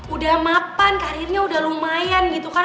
udah mapan karirnya udah lumayan gitu kan